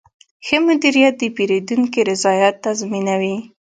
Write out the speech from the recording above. ښه مدیریت د پیرودونکي رضایت تضمینوي.